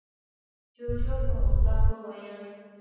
جُوجُو په غوسه وويل: